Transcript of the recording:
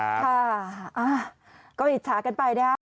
ค่ะก็อิจฉากันไปนะฮะ